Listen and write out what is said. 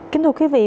kính thưa quý vị